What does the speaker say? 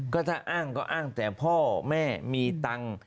ก็ถ้าอ้างก็อ้างแต่พ่อแม่มีตังค์